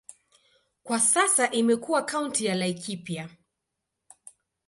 Kwa sasa imekuwa kaunti ya Laikipia.